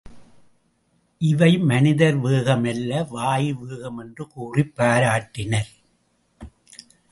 இவை மனிதர் வேகம் அல்ல வாயு வேகம் என்று கூறிப் பாராட்டினர்.